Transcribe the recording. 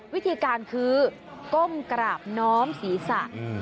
วิธีการคือก้มกราบน้อมศีรษะ